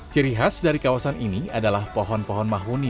ciri khas dari kawasan ini adalah pohon pohon mahuni